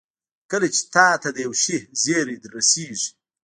کله چې چا ته د يوه شي زېری رسېږي.